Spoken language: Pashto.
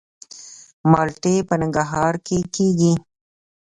مالټې په ننګرهار کې کیږي